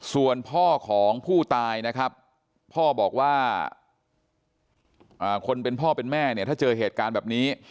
ส่วนพ่อของผู้ตายนะครับพ่อบอกว่าคนเป็นพ่อเป็นแม่เนี่ยถ้าเจอเหตุการณ์แบบนี้